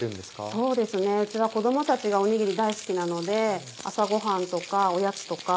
そうですねうちは子供たちがおにぎり大好きなので朝ごはんとかおやつとか。